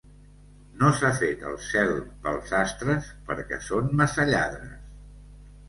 No s'ha fet el cel pels sastres, perquè són massa lladres.